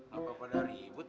gak apa apa dari ibut